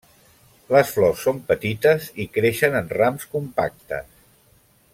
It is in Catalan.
Les flors són petites i creixen en rams compactes.